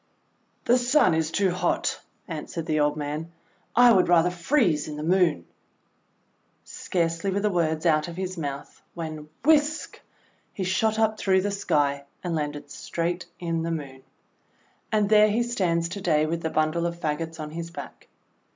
:The Sun is too hot," answered the old man. "I would rather freeze in the Moon." Scarcely were the words out of his mouth when whisk he shot up through the Sky, and landed straight in the Moon. And there he stands to day with the bundle of fagots on his back.